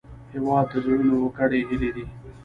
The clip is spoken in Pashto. هېواد د زړونو ګډې هیلې دي.